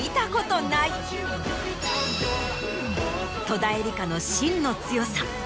戸田恵梨香の芯の強さ。